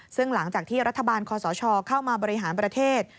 ซึ่งหลังจากที่รัฐบาลคอสชเข้ามาบริหารประเทศ